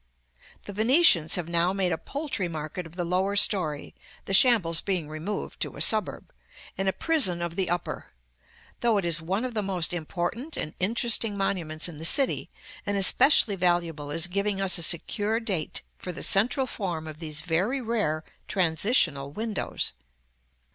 The Venetians have now made a poultry market of the lower story (the shambles being removed to a suburb), and a prison of the upper, though it is one of the most important and interesting monuments in the city, and especially valuable as giving us a secure date for the central form of these very rare transitional windows.